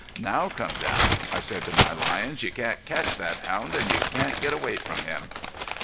"Now come down," I said to my lions; "you can't catch that hound, and you can't get away from him."